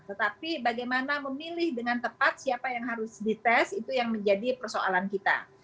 tetapi bagaimana memilih dengan tepat siapa yang harus dites itu yang menjadi persoalan kita